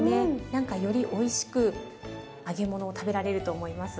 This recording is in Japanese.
何かよりおいしく揚げ物を食べられると思います。